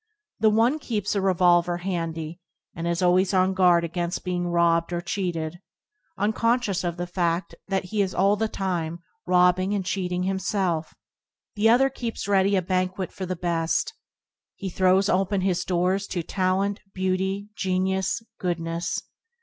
The one keeps a revolver handy, and is always on his guard against being robbed or cheated (uncon [4 ] TBoDp anD Circum0tance scious of the fa& that he is all the time rob bing and cheating himself), the other keeps ready a banquet for the best. He throws open his doors to talent, beauty, genius, goodness.